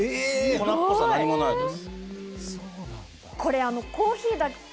粉っぽさもないです。